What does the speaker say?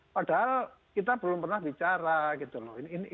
padahal kita belum pernah bicara gitu loh